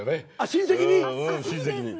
親戚に。